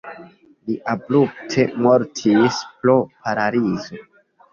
Li abrupte mortis pro paralizo.